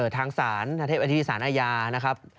ทางศาลนาทธิบดีศาลอาญานะครับ